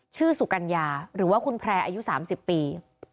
สุกัญญาหรือว่าคุณแพร่อายุ๓๐ปี